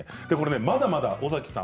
まだまだ尾崎さん